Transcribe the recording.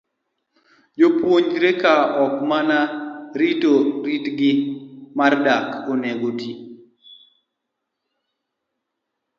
Jopuonjre, ka ok mana rito kitgi mar dak, onego oti